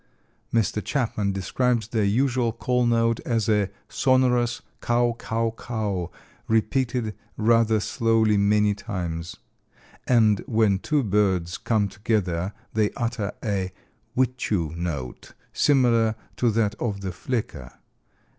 Mr. Chapman describes their usual call note as a "sonorous cow cow cow, repeated rather slowly many times," and when two birds come together they utter a "wichew note" similar to that of the flicker.